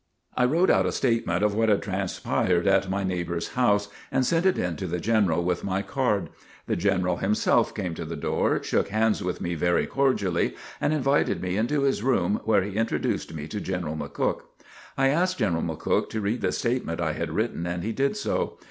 I wrote out a statement of what had transpired at my neighbor's house and sent it in to the General with my card. The General himself came to the door, shook hands with me very cordially and invited me into his room where he introduced me to General McCook. I asked General McCook to read the statement I had written and he did so.